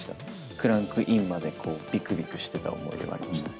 クランクインまでびくびくしていた思い出がありましたね。